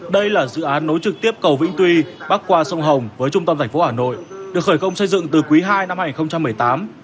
đây là dự án nối trực tiếp cầu vĩnh tuy bắc qua sông hồng với trung tâm thành phố hà nội được khởi công xây dựng từ quý ii năm hai nghìn một mươi tám